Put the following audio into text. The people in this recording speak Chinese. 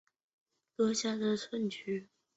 锡达镇区为美国堪萨斯州考利县辖下的镇区。